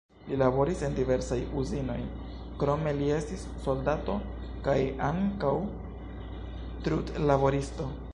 Li laboris en diversaj uzinoj, krome li estis soldato kaj ankaŭ trudlaboristo.